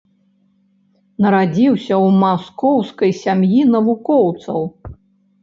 Нарадзіўся ў маскоўскай сям'і навукоўцаў.